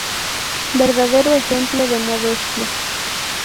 Verdadero ejemplo de modestia.